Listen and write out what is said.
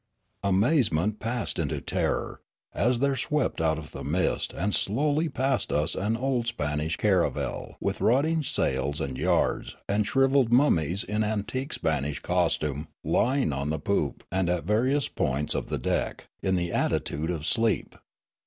Amazement passed into terror, as there swept out of the mist and slowly passed us an old Spanish caravel, with rotting sails and yards, and shrivelled mummies in antique Spanish costume lying on the poop and at various points of the deck, in the attitude of sleep.